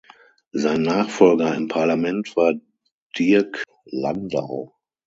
Sein Nachfolger im Parlament war Dirk Landau.